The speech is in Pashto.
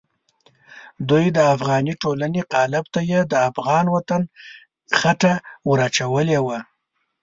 دوی د افغاني ټولنې قالب ته یې د افغان وطن خټه ور اچولې وه.